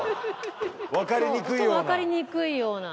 わかりにくいような。